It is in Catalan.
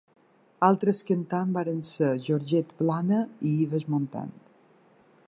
Altres cantants van ser Georgette Plana i Yves Montand.